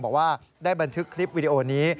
บอกว่าได้บันทึกคลิปวิดีโอนี้